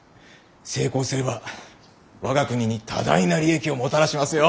成功すれば我が国に多大な利益をもたらしますよ。